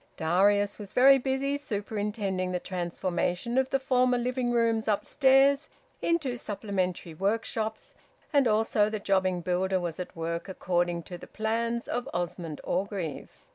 Darius was very busy superintending the transformation of the former living rooms upstairs into supplementary workshops, and also the jobbing builder was at work according to the plans of Osmond Orgreave.